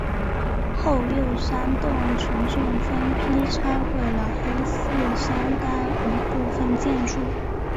后又煽动群众分批拆毁了黑寺相当一部分建筑。